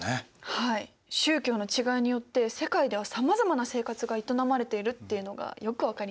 はい宗教の違いによって世界ではさまざまな生活が営まれているっていうのがよく分かりました。